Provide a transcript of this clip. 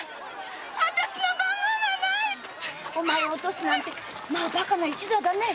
お前を落すなんてまあバカな一座だね。